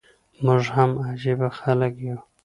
موږ هم عجبه خلک يو.